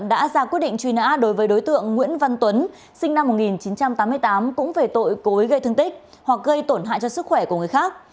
đã ra quyết định truy nã đối với đối tượng nguyễn văn tuấn sinh năm một nghìn chín trăm tám mươi tám cũng về tội cối gây thương tích hoặc gây tổn hại cho sức khỏe của người khác